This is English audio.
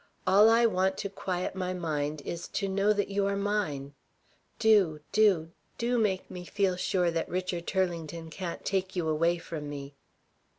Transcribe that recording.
All I want to quiet my mind is to know that you are mine. Do, do, do make me feel sure that Richard Turlington can't take you away from me."